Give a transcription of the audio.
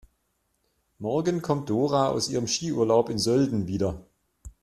Morgen kommt Dora aus ihrem Skiurlaub in Sölden wieder.